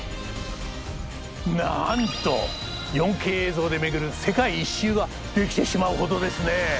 なんと４Ｋ映像で巡る世界一周ができてしまうほどですね！